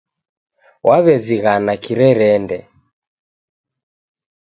Waw'ezighana Kirerende